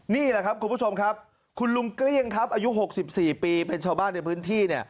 นี่คุณผู้ชมครับคุณลุงเกลี้ยงอายุ๖๔ปีเป็นชาวบ้านในพื้นที่